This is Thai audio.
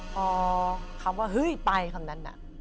พอคำว่าเฮ้ยไปคำนั้นน่ะ